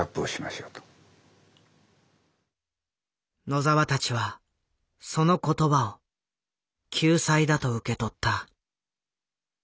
野澤たちはその言葉を救済だと受け取った。